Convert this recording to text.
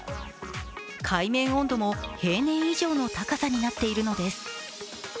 海面温度も平年以上の高さになっているのです